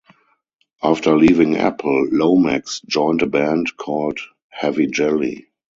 After leaving Apple, Lomax joined a band called Heavy Jelly.